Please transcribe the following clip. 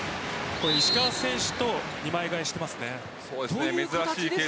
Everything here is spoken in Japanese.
石川選手と２枚代えしてます。